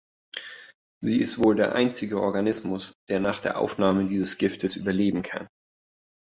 Sie ist wohl der einzige Organismus, der nach der Aufnahme dieses Giftes überleben kann.